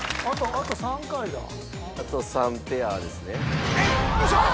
あと３ペアですね。